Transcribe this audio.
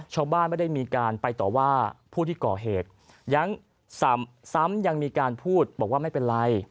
ชาวบ้านไม่ได้มีการไปต่อว่าผู้ที่ก่อเหตุยังซ้ำยังมีการพูดบอกว่าไม่เป็นไร